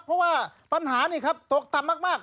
เพราะว่าปัญหานี่ครับตกต่ำมาก